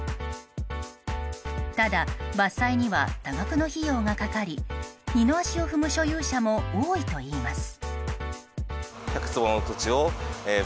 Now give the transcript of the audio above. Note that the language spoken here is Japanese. ただ、伐採には多額の費用がかかり二の足を踏む所有者も多いといいます。